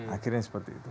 akhirnya seperti itu